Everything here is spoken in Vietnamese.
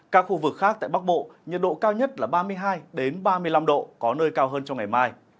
các khu vực khác tại bắc bộ nhiệt độ cao nhất là ba mươi hai ba mươi năm độ có nơi cao hơn trong ngày mai